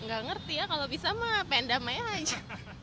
nggak ngerti ya kalau bisa mah pendam aja